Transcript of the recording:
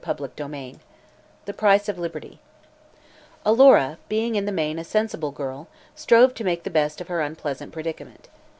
CHAPTER XXI THE PRICE OF LIBERTY Alora, being in the main a sensible girl, strove to make the best of her unpleasant predicament.